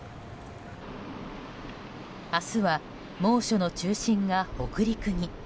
明日は猛暑の中心が北陸に。